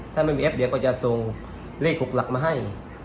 ถ้าไม่มีเอฟเดี๋ยวก็จะส่งเลข๖หลักมาให้